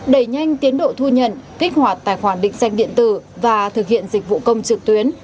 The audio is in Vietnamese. đẩy nhanh tiến độ thu nhận kích hoạt tài khoản định danh điện tử và thực hiện dịch vụ công trực tuyến